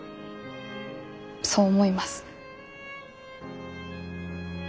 そう思います。